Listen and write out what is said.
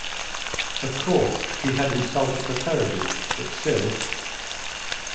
Of course, he had insulted her terribly, but still —!